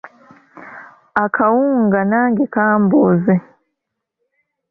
Akawunga nage kambuze.